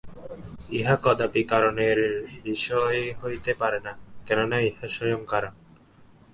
ইহা কদাপি কারণের বিষয় হইতে পারে না, কেননা ইহা স্বয়ং কারণ।